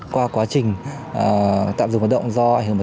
qua quá trình tạm dừng hoạt động do dịch covid một mươi chín